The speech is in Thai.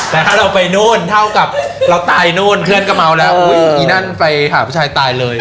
แต่ถ้าเราไปนู่นเท่ากับเราตายนู่นเพื่อนก็เมาแล้วอุ้ยอีนั่นไปหาผู้ชายตายเลย